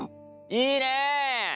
いいね！